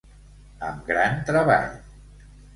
Amb gran treball.